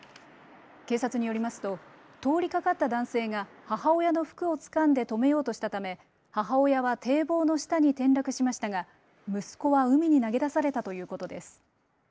警察によりますと通りかかった男性が母親の服をつかんで止めようとしたため母親は堤防の下に転落しましたが息子は海に投げ出されたということです。